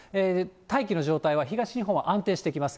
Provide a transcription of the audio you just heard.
大気の状態は東日本は安定してきます。